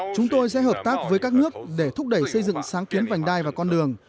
chúng tôi sẽ hợp tác với các nước để thúc đẩy xây dựng sáng kiến vành đai và con đường